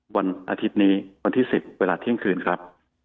วันอาทิตย์นี้วันที่๑๐เวลาเที่ยงคืนครับ